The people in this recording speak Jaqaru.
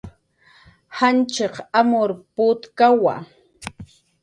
Janchiq amur putkawa